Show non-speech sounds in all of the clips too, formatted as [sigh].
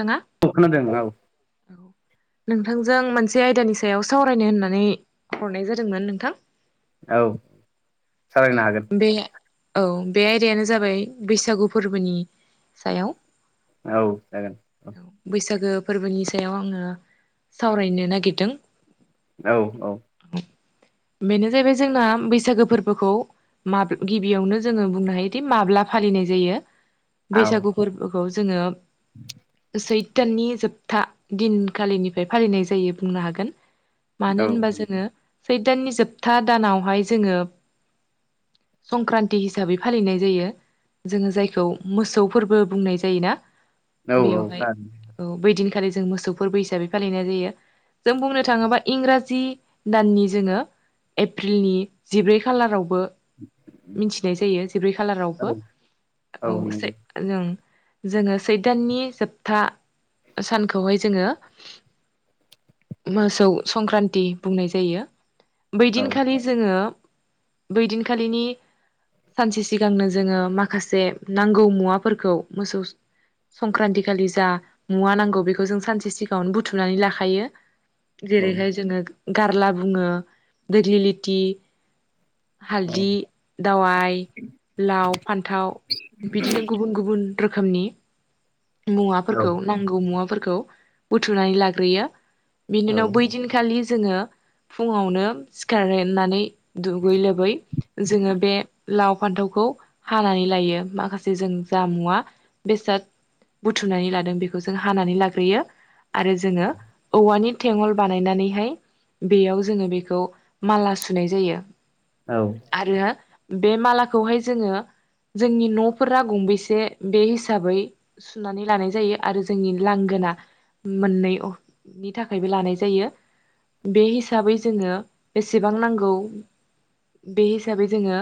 थाङा औ खोनादों औ नोंथांजों मोनसे आयदानि सायाव सावरायनो होननानै हरनाय जादोंमोन नोंथां औ सावरायना हागोन बे औ बे आयदायानो जाबाय बैसागु फोरबोनि सायाव औ जागोन अ बैसागो फोरबोनि सायाव आङो सावरायनो नागिरदों औ बेनो जाहैबाय जोंना बैसागो फोरबोखौ माब गिबियावनो जोङो बुंनो हायोदि माब्ला फालिनाय जायो औ बैसागु फोरबो खौ जोङो [inaudible] सैद दाननि जोबथा दिनखालिनिफ्राय फालिनाय जायो बुंनो हागोन। मानो औ होनबा औ औ जोङो सैद दाननि जोबथा दानावहाय जोङो संक्रान्ति हिसाबै फालिनाय जायो। जोङो जायखौ मोसौ फोरबो बुंनाय जायोना। बेवहाय औ बैदिनखालि जों मोसौफोरबो हिसाबै फालिनाय जायो। जों बुंनो थाङोबा इंराज जि दाननि जोङो एप्रिलनि जिब्रै खालारावबो मिथिनाय जायो जिब्रै खालारावबो औ से नंगौ जों जोङो सैद दाननि जोबथा सानखौहाय जोङो मासौ संक्रान्ति बुंनाय जायो। औ बैदिनखालि जोङो बैदिनखालिनि सानसे सिगांनो जोंङो माखासे नांगौ मुवाफोरखौ मोसौ संक्रान्तिखालि जा मुवा नांगौ बेखौ जों सानसे सिगांङावनो बुथुमनानै लाखायो। जेरैहाय औ जोंङो गारला बुंङो दिगलिलिति हालदि दावाइ लाव फान्थाव बिदिनो गुबुन गुबुन रोखोमनि मुवाफोरखौ औ औ नांगौ मुवाफोरखौ बुथुमनानै लाग्रोयो। बिनि औ औ उनाव बै दिनखालि जोंङो फुंङावनो सिखारनोनानै दुगै लोबै जोंङो बे लाव फान्थावखौ हानानै लायो माखासे जों जामुआ बेसाद बुथुमनानै लादों बेखौ जों हानानै लाग्रोयो। आरो जोंङो औवानि थेंअल बानायनानैहाय बेयाव जोंङो बेखौ माला सुनाय जायो। औ आरो बे मालाखौहाय जोंङो जोंनि न'फोरा गंबेसे बे हिसाबै सुनानै लानाय जायो आरो जोंनि लांगो ना मोननै अ नि थाखायबो लानाय जायो। बे हिसाबै जोंङो बेसेबां नांगौ बे हिसाबै जोंङो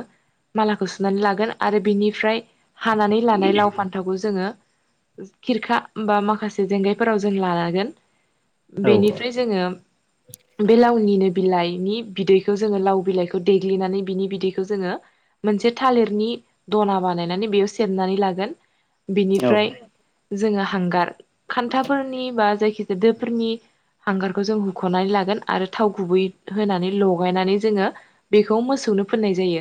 मालाखौ सुनानै लागोन आरो बिनिफ्राय हानानै लानाय लाव फान्थावखौ जोंङो खिरखा बा माखासे जेंगायफोराव जों लानांगोन बेनिफ्राय जोंङो बे लावनिनो बिलाइनि बिदैखौ जोंङो लाव बिलाइखौ देग्लिनानै बिनि बिदैखौ जोंङो मोनसे थालिरनि दना बानायनानै बेयाव सेबनानै लागोन बिनिफ्राय जोंङो हांगार खान्थाफोरनि बा जायखिजाया दोफोरनि हांगारखौ जों हुख'नानै लागोन आरो थाव गुबै होनानै लगायनानै जोंङो बेखौ मोसौनो फोननाय जायो।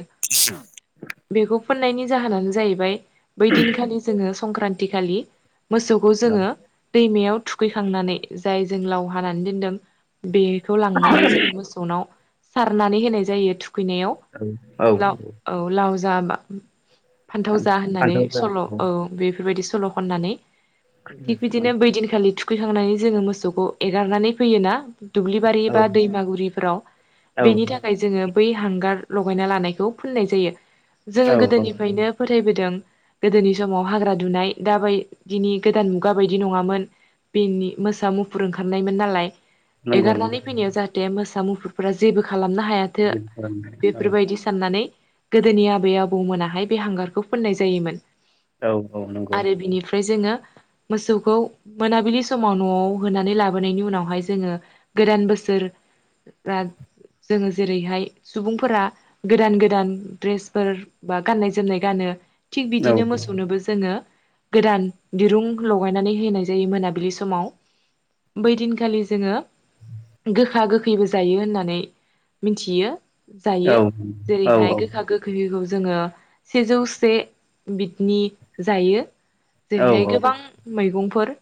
बेखौ [unintelligible] फोननायनि जाहोनानो जाहैबाय बै दिनखालि जोंङो संक्रान्ति खालि मोसौखौ जोंङो दैमायाव थुखैखांनानै जाय जों लाव हानानै दोनदों बेखौ लांनानै जोंङो मोसौनाव सारनानै होनाय जायो। खैनायाव औ लाव औ लाव जा बा फान्थाव जा होननानै सल' औ बेफोरबायदि सल' खननानै थिग बिदिनो बैदिनखालि थुखैखांनानै जोंङो मोसौखौ एगारनानै फैयोना दुब्लिबारि औ बा दैमागुरिफ्राव औ बेनि थाखाय जोंङो बै हांगार लगायना लानायखौ फुननाय जायो औ जोंङो गोदोनिफ्रायनो फोथायबोदों गोदोनि समाव हाग्रा दुनाय दाबायदिनि गोदान मुगा बायदि नंङामोन। बेनि मोसा मुफुर ओंखारनायमोन नालाय नंगौ नंगौ एगारनानै फैनायाव जाहाथे मोसा मुफुरफोरा जेबो खालामनो हायाथो औ बेफोरबायदि साननानै गोदोनि आबै आबौमोनाहाय बे हांगारखौ फोननाय जायोमोन। औ औ नंगौ आरो बिनिफ्राय जोंङो मोसौखौ मोनाबिलि समाव न'आव होनानै लाबोनायनि उनावहाय जोंङो गोदान बो सोर ब्राथ जोंङो जेरैहाय सुबुंफोरा गोदान गोदान द्रेसफोर बा गाननाय जोमनाय गानो थिग औ बिदिनो मोसौनोबो जोंङो गोदान दिरुं लगायनानै हैनाय जायो मोनाबिलि समाव। बै दिनखालि जोंङो गोखा गोखैबो जायो होननानै मिनथियो। औ जायो औ जेरैहाय औ गोखा गोखैखौ जोंङो सेजौसे बिदनि जायो। जेरैहाय गोबां मैगंफोर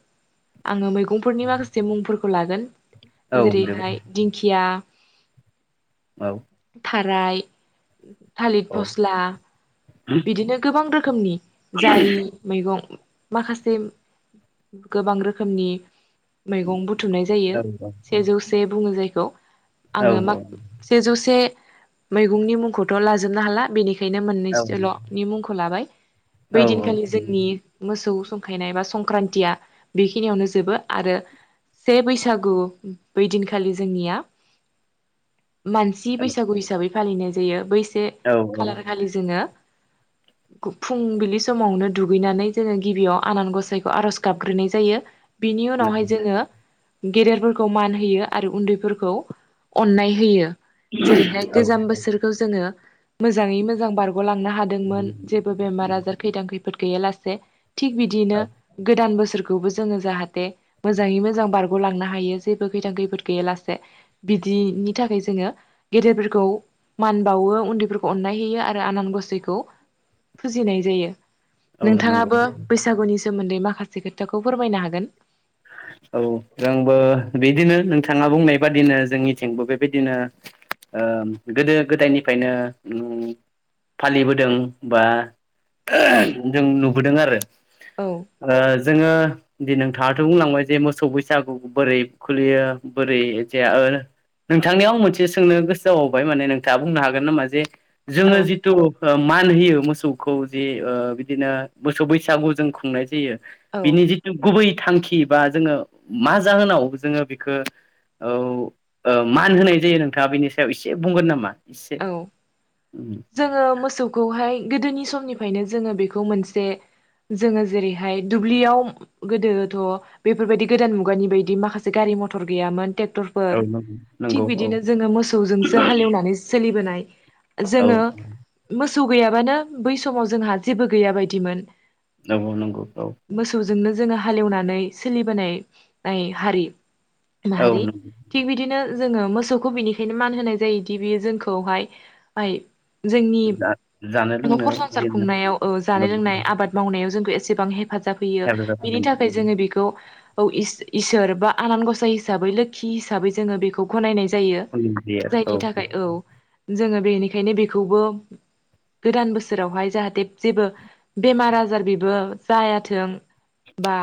आंङो मै गंफोरनि माखासे मुंफोरखौ लागोन जेरैहाय दिंखिया औ। खाराय थालिर फस्ला बिदिनो गोबां रोखोमनि जारि मैगं माखासे गोबां रोखोमनि मैगं बुथुमनाय जायो सेजौसे बुङो जायखौ। औ आङो माख सेजौसे मैगंनि मुंखौथ' लाजोबनो हाला बेनिख बेनो औ औ मोननैसेल'नि मुंखौ लाबाय औ बै दिनखालि जोंनि मोसौ खायनाय बा संक्रान्तिया बेखिनियावनो जोबो आरो से बैसागु बैदिनखालि जोंनिया मान सि बैसागु हिसाबै फालिनाय जायो बै से औ खालारखालि जोङो गु फुंबिलि समावनो दुगैनानै जोङो गिबियाव आनान गसाइखौ आर'ज गाबग्रोनाय जायो। बिनि उनावहाय जोङो गेदेरफोरखौ मान होयो आरो उन्दैफोरखौ अन्नाय होयो। जेरैहाय गोजाम बोसोरखौ जोङो मोजाङै मोजां बारग'लांनो हादोंमोन जेबो बेमार आजार खैदां खैफोद गैयालासे। थिक बिदिनो गोदान बोसोर खौबो जोङो जाहाथे मोजाङै मोजां बारग'लांनो हायो जेबो खैथां खैफोद गैयालासे बि दिनि थाखाय जोङो गेदेरफोरखौ मान बावो उन्दैफोरखौ अननाय होयो आरो आनान गसाइखौ फुजिनाय जायो। नंगौ नोंथाङाबो बैसागुनि सोमोन्दै माखासे खोथाखौ फोरमायनो हागोन। औ जोंबो बिदिनो नोंथाङा बुंनाय बादिनो जोंनिथिंबो बेबायदिनो ओ गोदो गोदायनिफ्रायनो उम फालिबोदों बा जों नुबोदों आरो औ ओ जोङो दि नोंथा बुंलांबाय जे मोसौ बैसागु बोरै खुलियो बोरै जे ओ नोंथांनियाव मोनसे सोंनो गोसो जाबावबाय माने नोंथाङा बुंनो हागोन नामा जे औ जोङो जिथु ओ मान होयो मोसौखौ जे ओ बिदिनो मोसौ बैसागु जों खुंनाय जायो। औ बिनि जिथु गुबै थांखि बा जोङो मा जाहोनाव जोङो बेखो औ ओ मान होनाय जायो नोंथाङा बेनि सायाव एसे बुंगोन नामा? एसे? औ जोङो मोसौखौहाय गोदोनि बै समनिफायनो जोङो बेखौ मोनसे जोङो जेरैहाय दुब्लियाव गोदोथ' बेफोरबायदि गोदान मुगानि बायदि माखासे गारि मथर गैयामोन टेक टर औ फोर नंगौ थिक नंगौ औ बिदिनो जोङो मोसौजोंसो हालेवनानै सोलिबोनाय। औ जोङो मोसौ गैयाबानो बै समाव जोंहा जेबो गैया बायदिमोन। नंगौ नंगौ औ। जोंनो जोङो हालेवनानै सोलिबोनाय नाय हारि। औ माहारि नंगौ थिक बिदिनो जोङो मोसौखौ बिनिखायनो मान होनाय जायोदि बेयो जों खौहाय माइ जोंनि जा जानो लोंनो न'खर संसार बिदिनो खुंनायाव ओ जानाय औ लोंनाय आबाद मावनायाव जों एसेबां हेफाजाब होयो हेफाजाब बिनि थाखाय जोङो बेखौ खौ इस-इसोर बा आनान गसाइ हिसाबै लोखि हिसाबै जोङो बेखौ गनायनाय जायो होनाय जायो जायनि थाखाय औ। जोङो बेनिखायनो बेखौबो गोदान बोसोरावहाय जाहाथे जेबो बेमार आजार बेबो जायाथों बा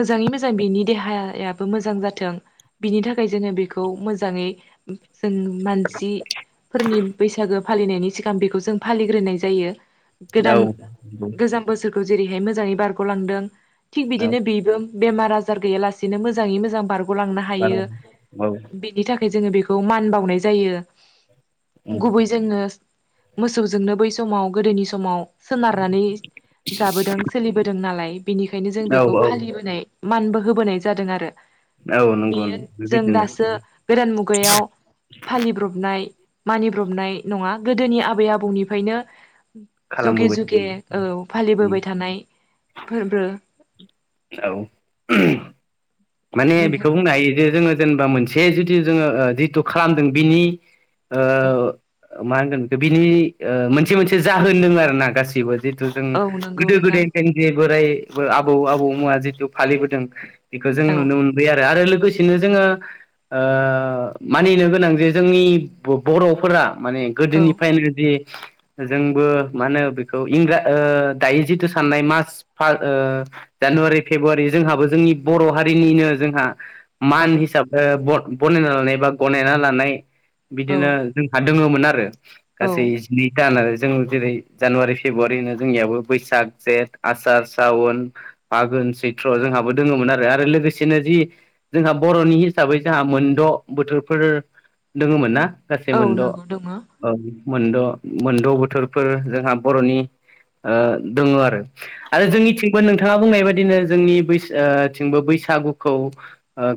मोजाङै मोजां बेनि देहाया याबो मोजां जाथों बिनि थाखाय जोङो बेखौ मोजाङै जों मानसि फोरनि बैसागो फालिनायनि सिगां बेखौ जों फालिग्रोनाय जायो। गोदान आरो औ गोजाम बोसोरखौ जेरैहाय मोजाङै बारग'लांदों थिक औ बिदिनो बेबो बेमार आजार गैयालासिनो मोजाङै मोजां बार लांनो बार' औ हायो बिनि थाखाय जोङो बेखौ मान बावनाय जायो, उम गुबै जोङो मोसौजोंनो बै समाव गोदोनि समाव सोनारनानै जाबोदों सोलिबोदों नालाय बेनिखायनो जों औ बेखौ औ फालिबोनाय, मानबो होबोनाय जादों आरो औ नंगौ बेयो नंगौ जों बेबायदिनो दासो गोदान मुगायाव फालिब्रबनाय, मानिब्रबनाय नङा गोदोनि आबै आबौनिफ्रायनो, जुगे खालामबोबाय जुगे थादों औ उम फालिबोबाय थानाय फोरबो, औ औ माने नोंथां बेखौ बुंनो हायो जे जोङो, जेनेबा मोनसे जिथु जोङो जिथु खालामदों बिनि, औ मा होनगोन बेखौ बिनि मोनसे मोनसे जाहोन दोङो आरो ना गासिबो, जिथु जों औ नंगौ गोदो नोंथां गोदायनिफ्रायनो जे बोराय आबौ आबौ मोनहा जिथु फालिबोदों बेखौ जों औ नुनो मोनबाय आरो आरो लोगोसेनो जोङो, ओ मानिनो गोनां जे जोंनि बर'फोरा, माने औ गोदोनिफ्रायनो बिदि, जोंबो मा होनो बेखौ इंरा दायो जिथु साननाय मास फार जानुवारि फेब्रुवारि जोंहाबो जोंनि बर' हारिनिनो जोंहा औ मान हिसाबै बनायना लानाय बा गनायना लानाय औ बिदिनो जोंहा दङोमोन आरो औ गासै जिनै दान आरो जों जेरै जानुवारि फेब्रुवारि होनो जोंनियाबो बैसाग जेठ आसार सावन फागोन सैत्र जोंहाबो दोङोमोन आरो लोगोसेनो जि जोंहा बर'नि हिसाबै जोंहा मोनद' बोथोरफोर, दङमोन ना गासै मोनद' औ नंगौ दङ औ मोनद' मोनद' बोथोरफोर जोंहा ओ बर'नि दङ आरो आरो जोंनिथिंबो नोंथाङा बुंनाय बायदिनो जोंनि बैसाग, थिंबो बैसागुखौ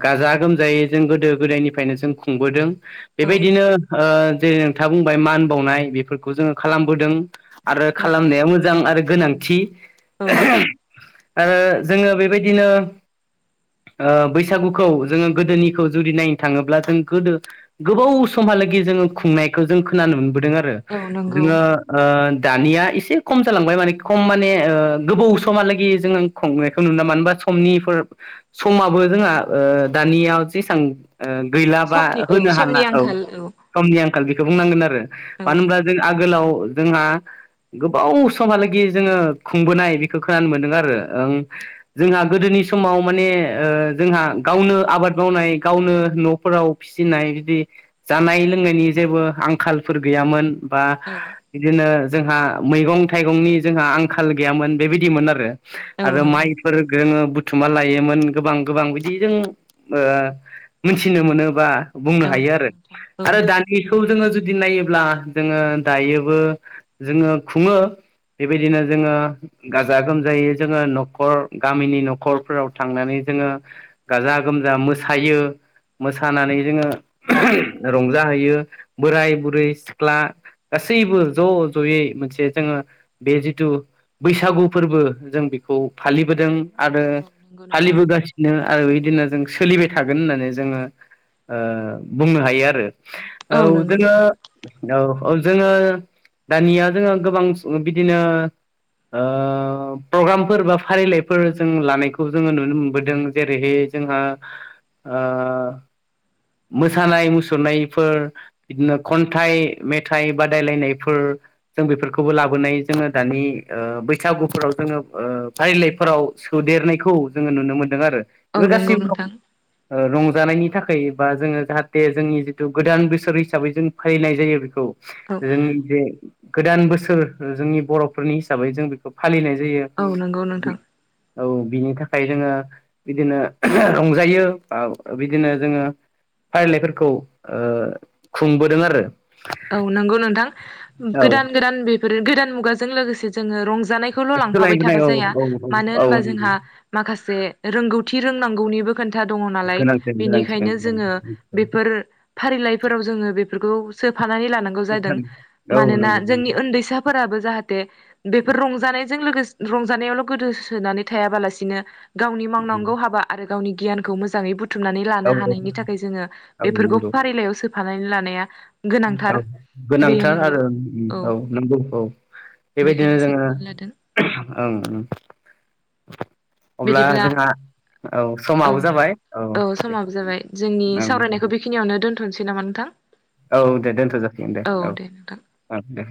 गाजा गोमजायै जों गोदो गोदायनिफ्रायनो जों खुंबोदों। औ बेबायदिनो ओ जेरै नोंथाङा बुंबाय मान बावनाय बेफोरखौ जोङो खालामबोदों। आरो औ खालामनाया मोजां आरो गोनांथि। औ। आरो जोङो बेबायदिनो [inaudible] ओ बैसागुखौ जोङो गोदोनिखौ जुदि नायनो थाङोब्ला जों गोदो गोबाव समहालागि जोङो खुंनायखौ जों खोनानो मोनबोदों आरो औ नंगौ जोङो दानिया एसे खम जालांबाय माने खम माने गोबाव समहालागै जों खुंनायखौ नुना मोनबा समनिफोर समाबो जोंहा दानिया जेसां ओ गैला बा समनि औ होनो समनि हाला औ आंखाल समनि आंखाल बेखौ बुंनांगोन आरो औ मानो होनबा जों आग आगोलाव जोंहा गोबाव समहालागि जोङो खुंबोनाय बेखौ खोनानो मोनदों आरो जोंहा गोदोनि समाव माने ओ जोंहा गावनो आबाद मावनाय गावनो न'फोराव फिसिनाय बिदि जानाय लोंनायनि जेबो आंखालफोर गैयामोन। बा बिदिनो जोंहा मैगं थाइगंनि जोंहा आंखाल गैयामोन बेबायदिमोन आरो। औ आरो नंगौ माइफोर गङो बुथुमना लायोमोन गोबां गोबां बिदिजों ओ मिथिनो मोनोबा बुंनो औ हायो नंगौ आरो नोंथां औ आरो दानिखौ जोङो जुदि नायोब्ला जोङो दायोबो जोङो खुङो। बेबायदिनो जोङो गाजा गोमजायै जोङो न'खर गामिनि न'खर फोराव थांनानै जोङो गाजा गोमजा मोसायो। मोसानानै जोङो रंजाहैयो बोराय बुरै सिख्ला गासैबो ज' ज'यै मोनसे जोङो बे जिथु बैसागु फोरबो जों बेखौ फालिबोदों आरो औ नंगौ नोंथां फालिबोगासिनो। आरो बिदिनो जों सोलिबाय थागोन होननानै जोङो बुंनो हायो आरो। औ नंगौ जोङो नोंथां औ औ जोङो दानिया जोङो गोबां उ बिदिनो ओ प्रग्रामफोर बा फारिलाइफोर जों लानाय खौ जोङो नुनो मोनबोदों जेरैहाय जोंहा ओ मोसानाय मुसुरनायफोर बिदिनो खन्थाइ मेथाइ बादायलायनायफोर जों बेफोरखौबो लाबोनाय जोङो दानि ओ बैसागुफोराव जोङो ओ फारिलाइफोराव सोदेरनायखौ जोङो नुनो मोन्दों आरो। औ नंगौ नोंथां। ओ रंजानायनि थाखाय बा जोङो जाहाथे जोंनि जिथु गोदान बोसोर हिसाबै जों फालिनाय जायो बेखौ। औ जोंनि बे गोदान बोसोर जोंनि बर'फोरनि हिसाबै जों बेखौ फालिनाय जायो औ नंगौ नोंथां । औ । बिनि थाखाय जोङो बिदिनो रंजायो ओ बिदिनो जोङो फारिलाइफोरखौ ओ खुंबोदों आरो। औ नंगौ नोंथां औ गोदान गोदान बेफोर गोदान मुगाजों लोगोसे जोङो रंजानायखौल' लांफाबाय सोलायबोनाय थाबा औ जाया औ मानो होनबा औ नंगौ जोंहा माखासे रोंगौथि रोंनांगौनिबो खोनथा दङ नालाय गोनांथिदों गोनांथिदों बेनिखायनो औ जोङो बेफोर फारिलाय फोराव जोङो बेफ बेफोरखौ सो फानानै लानांगौ जादों नंगौ मानोना जोंनि उन्दैसाफोराबो जाहाथे बेफोर रंजानाय जों लोगोसे रंजानायावल' गोदोसोनानै थायाबालासिनो गावनि मावनांगौ हाबा आरो गावनि गियानखौ मोजाङै बुथुमनानै लानो औ हानायनि थाखाय जोङो बेफोरखौ नंगौ फारिलाइयाव सो फानायनि लानाया गोनांथार औ बेयो गोनांथार नंगौ आरो औ नंगौ औ । बेबायदिनो बेखायनो सायख'नानै लादों जोङो ओं। अब्ला बिदिब्ला जोंहा औ औ समाबो जाबाय औ दे समाबो जाबाय जोंनि औ दे सावरायनायखौ बेखिनियावनो दोनथ'नोसै नामा नोंथां औ दे दोनथ' जासिगोन दे औ औ दे